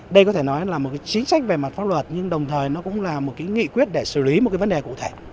đây có thể nói là một chính sách về mặt pháp luật nhưng đồng thời nó cũng là một cái nghị quyết để xử lý một cái vấn đề cụ thể